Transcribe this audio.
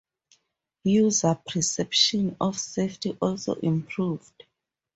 User perceptions of safety also improved.